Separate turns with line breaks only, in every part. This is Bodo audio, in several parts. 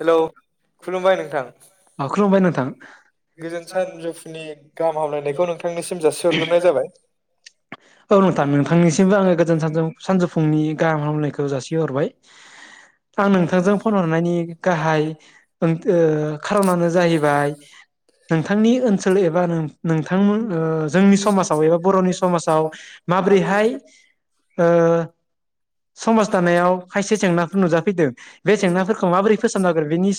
हेलौ
औ खुलुमबाय नोंथां औ नोंथां नोंथांनिसिमबो आङो गोजोन सानजौ-सानजौफुंनि गाहाम हामलायनायखौ जासिहरबाय आं नोंथांजों फन हरनायनि गाहाय ओं ओ खारनानो जाहैबाय नोंथांनि ओनसोल एबा नों-नोंथांमोन ओ जोंनि समाजाव एबा बरनि समाजाव माबोरैहाय ओ समाज दानायाव खायसे जेंनाफोर नुजा फैदों बे जेंनाफोरखौ माबोरै फोसाबनांगोन बेनि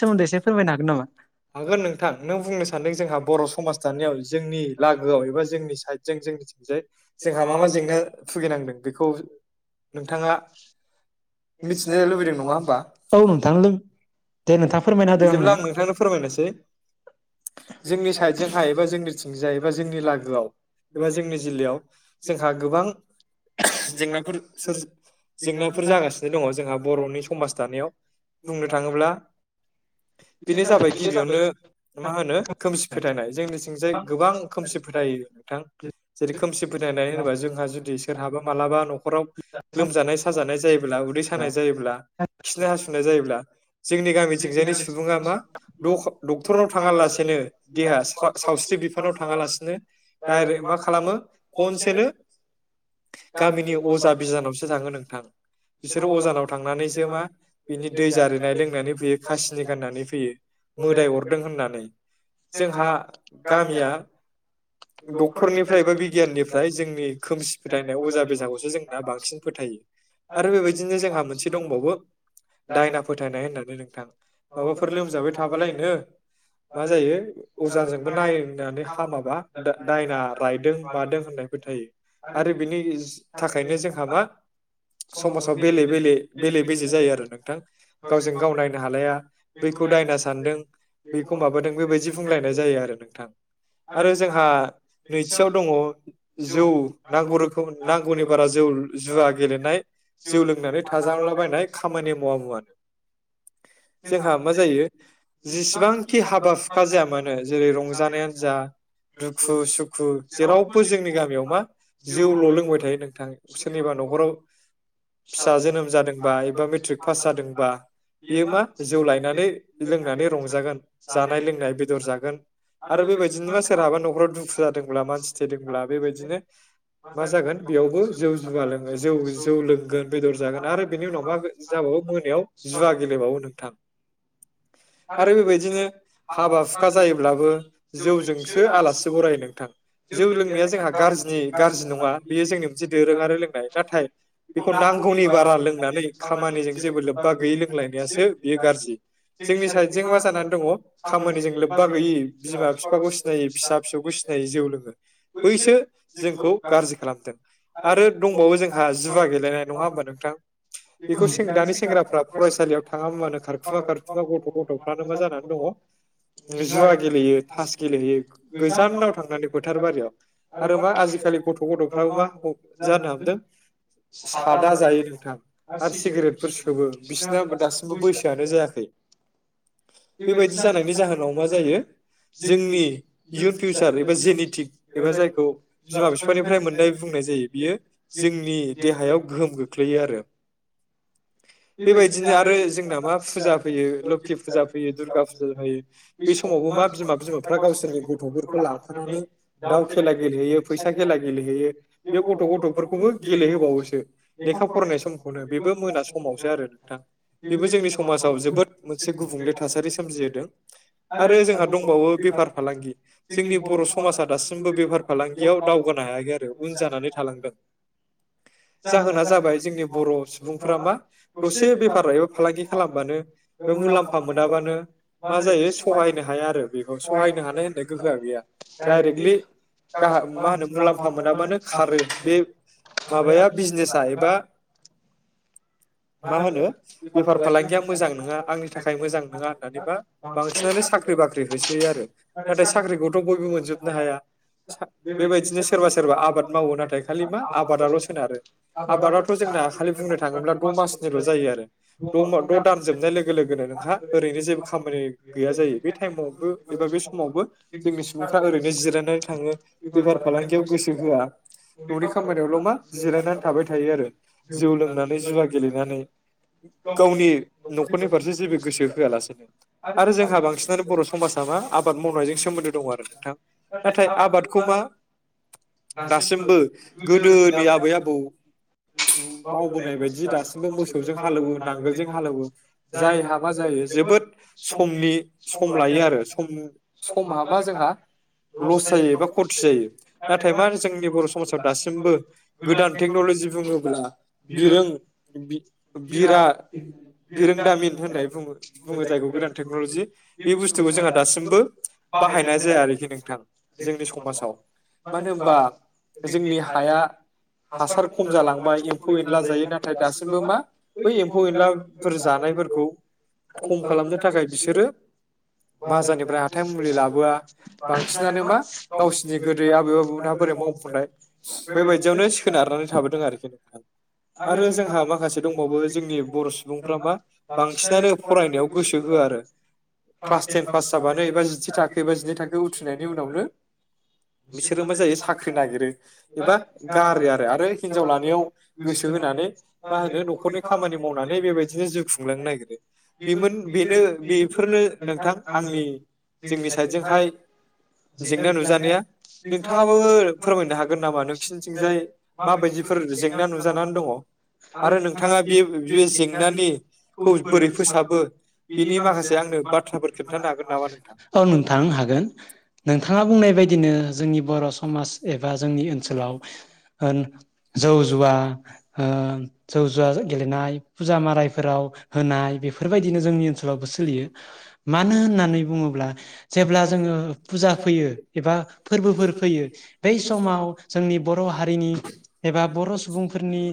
हागोन नोंथां नों बुंनो सानदों जोंहा बर' समाज सान् जोंनि लागोआव एबा जोंनि साइद जों जोंनिथिंजाय जोंहा मा मा जेंना भुगिनांदों बेखौ नोंथाङा मिथिनो लुबैदों नङा होमबा? बिदिब्ला आं नोंथांनो फोरमायनोसै। जोंनि साइदजों हाय एबा जोंनिथिंजाय एबा जोंनि लाोआव एबा जोंनि जिल्लायाव, जोंहा गोबां जेंनाफोर जेंनाफोर जागासिनो दङ जोंहा बर'नि समाज दानायाव बुंनो थाङोब्ला बेनो जाबाय गिबियावनो, मा होनो? खोमसि फोथायनाय जोंनिथिंजाय गोबां खोमसि फोथायो। नोंथां, जेरै खोमसि फोथायनाय होनोबा जोंहा जुदि सोरहाबा मालाबा न'खराव लोमजानाय साजानाय जायोब्ला, उदै सानाय जायोब्ला। खिनाय हासुनाय जायोब्ला। जोंनि गामिथिंजायनि सुबुङा मा डक्टरनाव थाङा लासेनो देहा सावस्रि बिफानाव थाङा लासेनो डायरेक्ट मा खालामो खनसेनो गामिनि अजा बिजानावसो थाङो नोंथां । बिसोरो अजानाव थांनानै मा बिनि दै जारिनाय लोंनानै फैयो खासिनि गाननानै फैयो मोदाय अरदों होननानै, जोंहा गामिया डक्टरनिफ्राय एबा बिगियाननिफ्राय जोंनि खोमसि फोथायनाय अजा बेजाखौसो जोंना बांसिन फोथायो। आरो बेबायदिनो जोंहा मोनसे दंबावो दायना फोथायनाय होननानै नोंथां, माबाफोर लोमजाबाय थाबालायनो मा जायो अजाजोंबो नायनानै हामाबा दा-दायना रायदों मादों होननाय फोथायो आरो बिनि थाखायनो जोंहा मा समाजाव बेले बेले बेले बेजे जायो आरो नोंथां गावजों गाव नायनो हालाया बेखौ दायना सानदों बेखौ माबादों बेबायदि बुंलायनाय जायो आरो नोंथां, आरो नैथियाव दङ जौ नांगौ रोखोम नांगौनि बारा जौ जुवा गेलेनाय जौ लोंनानै द लाबायनाय खामानि मावा मुवानो जोंहा मा जायो? जेसेबांखि हाबा हुखा जाया मानो जेरै रंजानायानो जा, दुखु सुखु जेरावबो जोंनि गामियाव मा जौल' लोंबाय थायो नोंथां, सोरनिबा न'खराव फिसा जोनोम बा एबा मेट्रिक पास जादोंबा बेयो मा जौ लायनानै लोंनानै रंजागोन जानाय लोंनाय बेदर जागोन, आरो बेबायदिनो मा सोरहाबा न'खराव दुखु जादोंब्ला मानसि थैदोंब्ला बेबायदिनो मा जागोन? बेयावबो जौ जुवा लोङो जौ जौ लोंगोन बेदर जागोन। बेनि उनाव मा जाबावो? मोनायाव जुवा गेलेबावो नोंथां। थां आरो बेबायदिनो हाबा हुखा जायोब्लाबो, जौजोंसो आलासि बरायो नोंथां जौ लोंनाया जोंहा गाज्रिनि गाज्रि नङा। बेयो जोंनि मोनसे दोरोङारि लोंनाय नाथाय बेखौ नांगौनि बारा लोंनानै खामानिजों जेबो लोब्बा गैयै लोंलायनायासो बियो गारजि जोंनि साइडजों मा जानानै दङ खामानिजों लोब्बा गैयि बिमा बिफाखौ सिनायै फिसा फिसौखौ सिनायै जौ लोङो बैसो जोंखौ गाज्रि खालामदों आरो दंबावो जोंहा जुवा गेलेनाय नङा होमब नों थां बेखौ दानि सेंग्राफ्रा फरायसालियाव थाङा मुवानो खारखुमा खारखुमा गथ' गथ'फोरा मा जादों जुवा गेलेयो थास गेलेयो गोजानाव थांनानै फोथार बारियाव आरोबा आजिखालि गथ' गथ'फ्रा मा जानो हमदों सादा जायो थां आरो सिगारेटफोर सोबो बिसोरना दासिमबो बैसोआनो जायाखै बेबायदि जानायनि जाहोनाव मा जायो जोंनि इयुन फिउचार एबा जेनटिक एबा जायखौ बिमा बिफानिफ्राय मोननाय बुंनाय जायो बियो जोंनि देहायाव गोहोम गोख्लै ख्लैयो आरो बेबायदिनो आरो जोंना मा फुजा फैयो लोखि फुजा फैयो दुर्गा फुजा फैयो बेै समावबो मा बिमा बिमाफ्रा गावसोरनि गथ'फोरखौ लाखानै दाउ खेला गेलेहैयो फैसा खेला गेलेहैयो बे गथ' गथ'फोरखौबो गेलेहोबावोसो लेखा फरायनाय समखौनो बेबो मोना समाव नोंथां बेबो जोंनि समाजाव जोबोद मोनसे गुबुंले थासारि सोमजिहोदों आरो जोंहा दंबावो बेफार फालांगि जोंनि बर' समाजा दासिमबो बेफार फालांगियाव दावगानो हायाखै आरो उन जानानै थालांदों जाहोना जाबाय जोंनि बर' सुबुंफोरा मा दसे बेफार एबा फालांगि खालामबानो बे मुलाम्फा मोनाबानो मा जायो सहायनो हाया आरो बेखौ सहायनो हानाय होननाय गोहोआ गैया डाइरेक्टलि ग मा होनो मुलाम्फा मोनाबानो खारो बे माबाया बिजनेसा एबा बा मा होनो बेफार फालांगिया मोजां नङा आंनि थाखाय मोजां नङा होननानै मा बांसिनानो साख्रि बाख्रि होसोयो आरो नाथाय साख्रिखौथ' बयबो मोनजोबनो हाया बेबायदिनो सोरबा सोरबा आबाद मावो नाथाय खालि मा आबादाल' सोनारो आबादथ' जोंना खालि बुंनो थाङोब्ला दमास सोल' जायो आरो द' दामजोबनाय लोगो लोगोनो नोंहा ओरैनो जेबो खामानि गैया जायो बे टाइमावबो एबा बे समावबो जोंनि सुबुंफ्रा ओरैनो जिरायनानै थाङो बेफार फालांगियाव गोसो होआ न'नि खामानियावल' मा जिरायनानै थाबाय थायो आरो जौ लोंनानै जुवा गेले नानै गावनि न'खरनि फारसे जेबो गोसो होआलासिनो आरो जोंहा बांसिनानो बर' समाजा मा आबाद मावनायजों सोमोन्दो दं आरो नोंथां नाथाय आबादखौ मा दासिमबो गोदोनि आबै आबौ मावबोनाय बायदि दास मोसौजों हालेवो नांगोलजों हालेवो जाय हाबा जायो जोबोद समनि सम लायो आरो सम सम हाबा जोंहा लस जायो एबा खति जायो नाथाय मा जोंनि बर' समाजाव दासिमबो गोदान टेक्नलजि बुङोब्ला बिरों बिरा बिरोंदामिन होननाय बु बुङो जायग गोदान टेक्नलजि बे बुस्थुखौ जोंहा दासिमबो बाहायनाय जाया आरोखि नोंथां जोंनि समाजाव मानो होनबा जोंनि हाया हासार खम जालांबाय एम्फौ एनला जायोना नाथाय दासिमबो मा बै एम्फौ एनलाफोर जानायफोरखौ खम खालामनो थाखाय बिसोरो बाजारनिफ्राय हाथाइ मुलि लाबोआ बांसिनानो मा गावसिनि गोदै आबै आबौ मोनहा बोरै मावफुंनाय बेबायदियावनो नारनानै थाबोदों आरोखि आरो जोंहा माखासे दंबावो जोंनि बर' सुबुंफ मा बांसिनानो फरायनायाव गोसो होआ आरो क्लास टेन पास जाबानो एबा जिसे थाखो एबा जिनै थाखो उथ्रिनायनि उनावनो बिसोरो मा जायो साख्रि नागिरो एबा गारो आ आरो हिनजाव लानायाव गोसो होना मा होनो न'खरनि खामानि मावनानै बेबायदिनो जिउ खुंलांनो नागिरो बेमोन बेनो बेफोरनो नोंथां आंनि जोंनि साइडजोंहाय जेंना नुजानाया नोंथाङाबो फोरमायनो हागोन नामा नोंसिनिथिंजाय माबायदिफोर जेंना नुजानानै दङ
औ नोंथां हागोन नोंथाङा बुंनाय बायदिनो जोंनि बर' स समाज एबा जोंनि ओनसोलाव ओ जौ जुवा ओ जौ जुवा गेलेनाय फुजा मारायफोराव होनाय बेफोरबायदिनो जोंनि ओनसोलावबो सोलियो मानो होननानै बुङोब्ला जेब्ला जोङो फुजा फैयो एबा फोरबोफोर फैयो बै समाव जोंनि बर' हारिनि एब बर' सुबुंफोरनि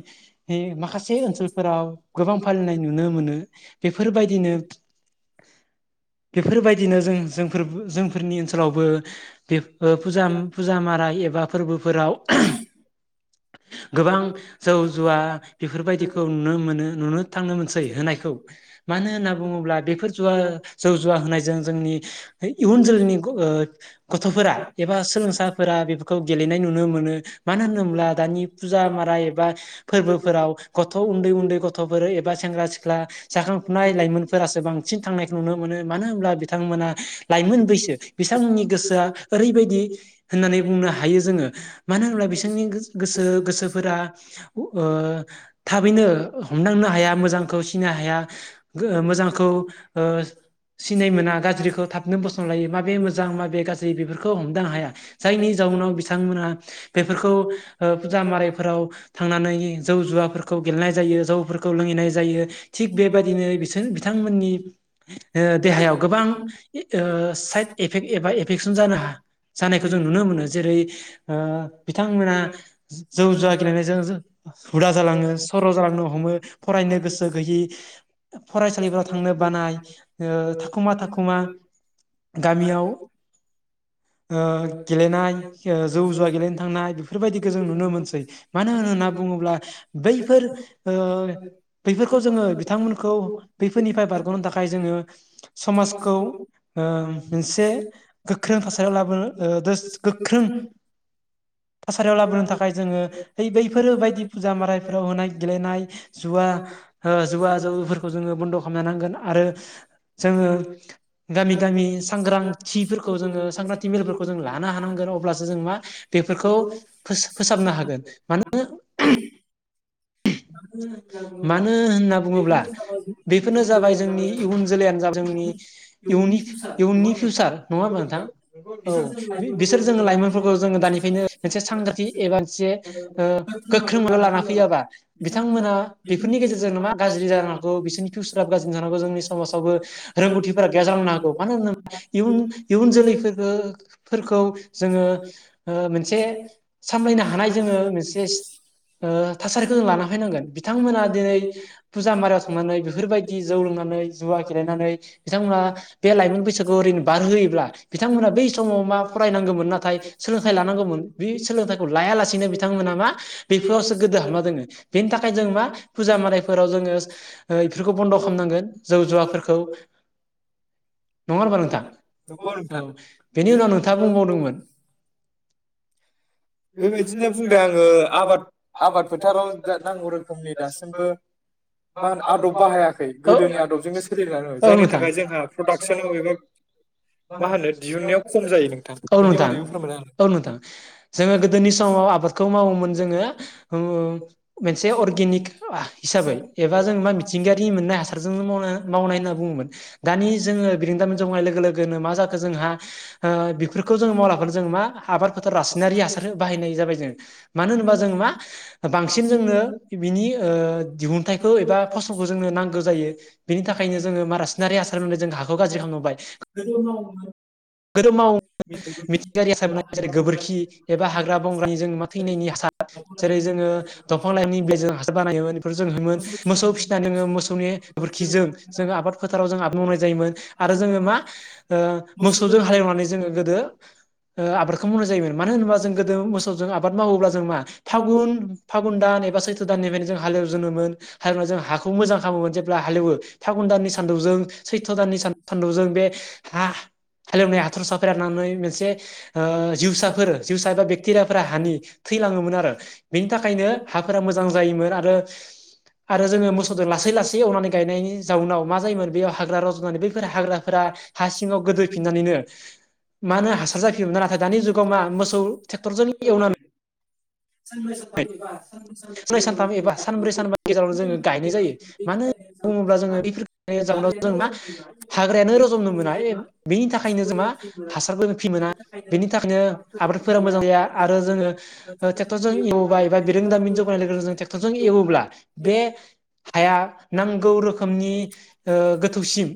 माखासे ओनसोलफोराव गोबां फालिनाय नुनो मोनो बेफोरबायदिनो [unintelligible] बेफोरबायदिनो जों जोंफोर-जोंफोरनि ओनसोलावबो बे ओ फुजा माराय एबा फोरबोफोराव गोबां जौ जुवा बेफोरबायदिखौ नुनो मोन नो नुनो थांनो मोनसै होनायखौ मानो होननानै बुङोब बेफोर जुवा जौ जुवा होनाय जों जोंनि ओ इयुन जोलैनि गथ'फोरा एबा सोलोंसाफोरा बे खौ गेलेनाय नुनो मोनो मानो होनोब्ला दानि फुजा माराय एबा फोरबोफोराव गथ' उन्दै उन्दै गथ'फोर एबा सेंग्रा सिख्ला जाखांफुनाय लाइमोनफोरासो बांसिन थांनायखौ नुनो मोनो मानो होनब्ला बिथांमोना लाइमोन बैसो बिथांमोननि गोसोआ ओरैबायदि होननानै बुंनो हायो जोङो मानो होनोबब्ला बिसोरनि गोस गोसो गोसोफोरा ओ ओ थाबैनो हमदां नो हाया मोजांखौ सिनो हाया ओ मोजांखौ ओ सिनाय मोना गाज्रिखौ थाबनो बसन लायो माबे मोजां माबे गाज्रि बेफोरखौ हम दां हाया जायनि जाउनाव बिथांमोनहा बेफोरखौ ओ फुजा मारायफोराव थांनानै जौ जुवाफोरखौ गेलेनाय जायो जौफोरखौ लोङैनाय जायो थिग बेबादिनो बिसोर बिथांमोननि एद देहायाव गोबां इ ओ साइड एफेक एबा एफेकसन जानो हा जानायखौ जों नुनो मोनो जेरै ओ बिथांमोना [unintelligible] जौ जुवा गेलेनायजों [unintelligible] [unintelligible] हुदा जालाङो सर जालांनो हमो फरायनो [unintelligible] [unintelligible] गोयि फरायसालिफोराव थांनो बानाय ओ थाखुमा थाखुमा गामियाव ओ गेलेनाय ओ जौ जुवा गेलेनो थांनाय [unintelligible] जों नुनो मोनसै मानो [unintelligible] ना बुङोब्ला बैफोर ओ बैफोरखौ जोङो बिथांमोनखौ बैफोरनिफ्राय बारगनो थाखाय जोङो समाजखौ [unintelligible] मोनसे [unintelligible] ख्रों थासारियाव लाबोनो ओ दोस गोख्रों थासारियाव लाबोनो थाखाय जोङो ओइ बै फोरो बायदि फुजा मारायफोराव होनाय गेलेनाय जुवा ओ जुवा जौैफोरखौ जोङो बन्द खामनो नांगोन आरो जोङो [unintelligible] गामि गामि सांग्रांथिफोर खौ जोङो [unintelligible] [unintelligible] मिलफोरखौ जों लानो हानांगोन अब्लासो जों मा बे फोरखौ फोस फोसाबनो हागोन मानो [unintelligible] मानो [unintelligible] बुङोब्ला बेफोरनो जाबाय जोंनि इयुन जोलैयानो जा जोंनि इयुननि फि इयुननि फिउसार नङा ओमबा नोंथां [unintelligible] बिसोर जोङो लाइमोनफोरखौ जोङो दानिफायनो मोनसे [unintelligible] [unintelligible] ओ गोख्रों [unintelligible] लाना फैयाबा बिथांमोना बिफोरनि [unintelligible] जोंनो मा गाज्रि जानो हागौ बिसोरनि फिउसाराबो [unintelligible] जोंनि समासावबो रोंगौथिफोरा गैया जालांनो हागौ मानो [unintelligible] इउन इउन जोलैखो [unintelligible] फोरखौ जोङो ओ मोनसे सामलायनो हानाय जोङो [unintelligible] ओ थासारिखौ जों लाना फैनांगोन बि [unintelligible] दिनै पुजा मारायाव थांनानै बेफोरबायदि जौ लोंनानै जुवा खेलेनानै बिथांमोना बे लाइमोन बैसोखौ ओरैनो बारहोयोब्ला बिथांमोना बै समाव मा फरायनांगोमोन नाथाय [unintelligible] बि सोलोंथाइखौ लाया लासिनो बिथांमोना मा बेफोरावसो गोदो हाबना दोङो बेनि थाख [unintelligible] जों मा फुजा मालायफोराव जोङो ओ इफोरखौ बन्द खामनांगोन जौ जुवाफोरखौ नङा ओनबा नोंथां [inaudible] औ बेनि उनाव नोंथाङा बुंबावदोंमोन
बेबायदिनो बुंदो आङो आबाद आबाद फोथाराव दा नांगौ रो रोखोमनि दासिमबो मा होनो आदब बाहायाखै गोदोनि आदबजोंनो सोलिनानै जायनि थाखाय जोंहा प्रदाक्सनाव एबा मा होनो दिहुननायाव खम जायो नोंथां बेनि बारैबो फोरमायना हो
जोङो गोदोनि समाव आबादखौ मावोमोन जोङो ओं ओ मोन से अरगेनिक हिसाबै एबा जों मा मिथिंगायारि मोननाय हासार जोंनो मावनो मावनाय होनना बुङोमोन दानि जोङो बिरों दारिमिन जौगानाय लोगो लोगोनो मा जाखो जोंहा बिफोरखौ जों मावालाफानो मा आबाद फोथाराव रासायनारि बाहायनाय जाबाय जों मानो होनोबा जों मा बांसिन जोङो बिनि ओ दिहुनथाइखौ एबा फसलखौ जोंनो नांगौ जायो बेनि थाखायनो जोङो मा रासिनारि हासार होननानै जों हाखौ गाज्रि खालामबाय। गोदो मावोमोन मिथिंगायारि हासार जेरै गोबोरखि एबा हाग्रा बंग्रानि जों मा थैनायनि हासार जेरै जोङो दंफां लाइनि बिलाइ जों हासार बानायोमोन एफोर जों नुयो मोन मोसौ फिसिनानै जोङो मोसौनि गोबोरखिजों जोङो आबाद फोथाराव जों आबाद मावनाय जायोमोन आरो जोङो मा मोसौजों हालेव नानै जोङो गोदो ओ आबादखौ मावनाय जायोमोन मानो होनबा जों मोसौजों आबाद मावोब्ला जों मा फागुन फागुन दान एबा सैथ्र दान निफ्रायनो जों हालेवजेनोमोन हालेवनानै जों हाखौ मोजां खालामोमोन जेब्ला हालेवो फागुन दाननि सान्दौजों सैथ दाननि सान्दौजों बे हा-हालेवनाय हा फोराननानै मोनसे ओ जिउसाफोर जिउसा एबा बेक्टेरियाफोरा हानि थैलाङोमोन आरो बेनि थाखायनो हाफोरा मो जां जायोमोन आरो आरो जोङो मोसौजों लासै लासै एवनानै गायनायनि जाउनाव मा जायोमोन बेयाव हाग्रा रजनानै बैफोर हाग्राफोरा हा सिङाव गोदैफिननानैनो मानो हासार जाफैयोमोन नाथाय दानि जुगाव मा मोसौ ट्रेक्टरजों एवनानै साननै सानथाम एबा सानब्रै सानबानि गेजेरावनो जोङो गायनाय जायो मानो बुङोब्ला जोङो बेफोर जाउनाव जों मा हाग्रायानो रजनो मोना यै बेनि थाखायनो जों मा हासारबो फ्रि मोना बेनि थाखायनो आबादफोरा मोजां जाया आरो जोङो ओ ट्रेक्टरजों एवबाय बा बिरोंदामिन जौगानायजों ट्रेक्टरजों एवोब्ला बे हाया नांगौ रोखोमनि ओ गोथौसिम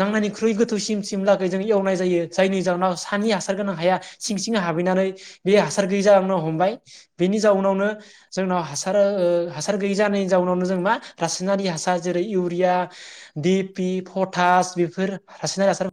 नांनायनिख्रुइ गोथौसिमसिमलागौ जों एवनाय जायनि जाहोनाव सानि हासार गोनां हाया सिं सिं हाबहैनानै बे हासार गैयि जालांनो हमबाय बेनि जाउनावनो जोंनाव हासार ओ हासार गैयि जानायनि जाउनावनो जों मा रासायनारि हासार जेरै urea, DAP, potash बेफोर रासायनारि हासार